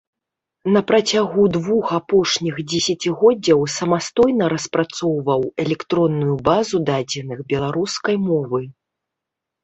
На працягу двух апошніх дзесяцігоддзяў самастойна распрацоўваў электронную базу дадзеных беларускай мовы.